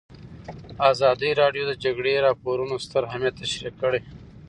ازادي راډیو د د جګړې راپورونه ستر اهميت تشریح کړی.